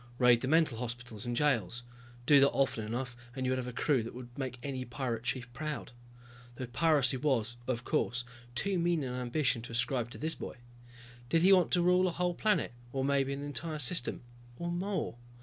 Raid the mental hospitals and jails. Do that often enough and you would have a crew that would make any pirate chief proud. Though piracy was, of course, too mean an ambition to ascribe to this boy. Did he want to rule a whole planet or maybe an entire system? Or more?